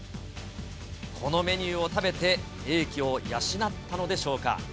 このメニューを食べて英気を養ったのでしょうか。